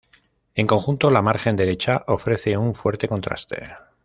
En conjunto, la margen derecha ofrece un fuerte contraste.